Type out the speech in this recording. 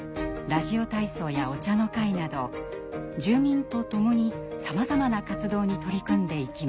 ラジオ体操やお茶の会など住民と共にさまざまな活動に取り組んでいきます。